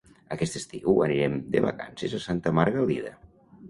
Aquest estiu anirem de vacances a Santa Margalida.